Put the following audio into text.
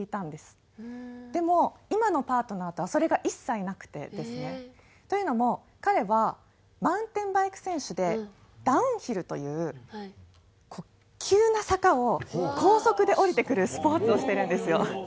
でも今のパートナーとはそれが一切なくてですね。というのも彼はマウンテンバイク選手でダウンヒルという急な坂を高速で下りてくるスポーツをしてるんですよ。